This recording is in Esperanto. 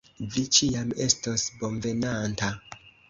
Vi ĉiam estos bonvenanta.